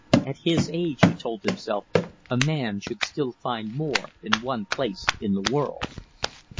At his age, he told himself, a man should still find more than one place in the world.